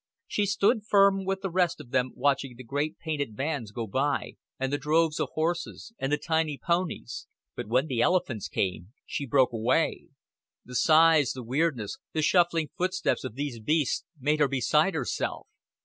She stood firm with the rest of them watching the great painted vans go by, and the droves of horses, and the tiny ponies; but when the elephants came she broke away. The size, the weirdness, the shuffling footsteps of these beasts made her beside herself.